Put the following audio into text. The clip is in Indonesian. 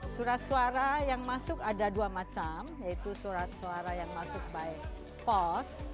surat suara yang masuk ada dua macam yaitu surat suara yang masuk by post